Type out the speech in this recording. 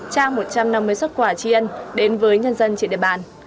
trao một trăm năm mươi xuất quà tri ân đến với nhân dân trên địa bàn